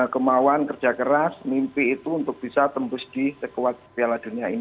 kemauan kerja keras mimpi itu untuk bisa tembus di sekuat piala dunia ini